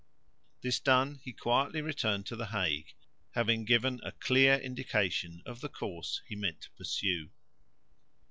This done, he quietly returned to the Hague, having given a clear indication of the course he meant to pursue.